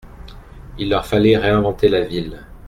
Il leur fallait réinventer la ville.